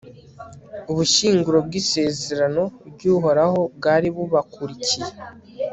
ubushyinguro bw'isezerano ry'uhoraho bwari bubakurikiye